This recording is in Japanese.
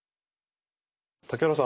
竹原さん